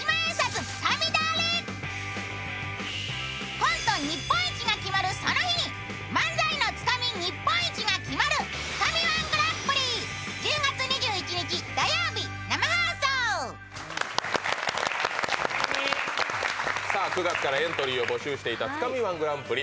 コント日本一が決まるその日に漫才のつかみ日本一が決まる９月からエントリーを募集していた「つかみ−１グランプリ」。